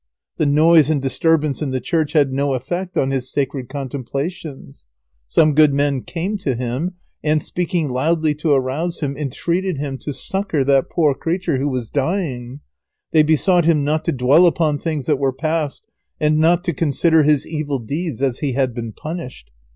The noise and disturbance in the church had no effect on his sacred contemplations. [Sidenote: The people intercede for the constable.] Some good men came to him, and, speaking loudly to arouse him, entreated him to succour that poor creature who was dying. They besought him not to dwell upon things that were past, and not to consider his evil deeds, as he had been punished.